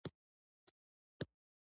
ما د لارې په لوحو او نقشو ځان برابر کړ.